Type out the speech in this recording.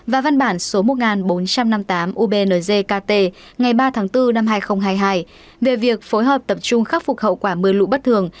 và văn bản số một nghìn bốn trăm năm mươi tám ubnzkt ngày ba tháng bốn năm hai nghìn hai mươi hai về việc phối hợp tập trung khắc phục hậu quả mưa lũ bất thường